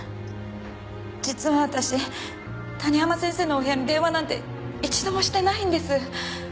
実は私谷浜先生のお部屋に電話なんて一度もしてないんです。